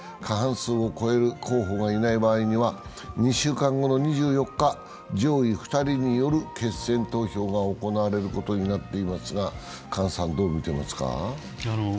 過半数を超える候補がいない場合には２週間後の２４日、上位２人による決選投票が行われることになっていますが、姜さんどう見ていますか？